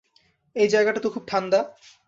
এই জায়গাটা তো খুব ঠাণ্ডা।